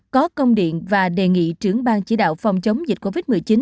có công điện và đề nghị trưởng bang chỉ đạo phòng chống dịch covid một mươi chín